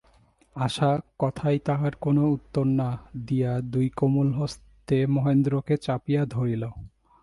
আশা কথায় তাহার কোনো উত্তর না দিয়া দুই কোমল হস্তে মহেন্দ্রকে চাপিয়া ধরিল।